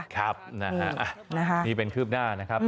ครับนะฮะนี่เป็นคืบหน้านะครับ